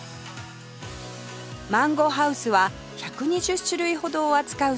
マンゴハウスは１２０種類ほどを扱う専門店